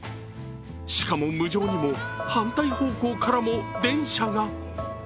しかも無情にも反対方向からも電車が。